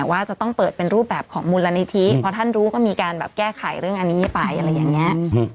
ว่าจะต้องเปิดเป็นรูปแบบของมูลนิธิเพราะท่านรู้ก็มีการแบบแก้ไขเรื่องอันนี้ไปอะไรอย่างนี้